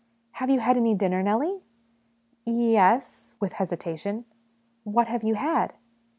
" Have you had any dinner, Nellie ?"" Ye es " (with hesitation). " What have you had